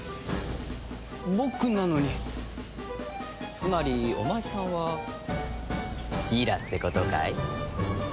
つまりお前さんはギラってことかい？